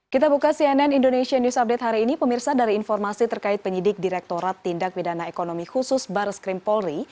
kita buka cnn indonesia news update hari ini pemirsa dari informasi terkait penyidik direktorat tindak bidana ekonomi khusus bar skrim polri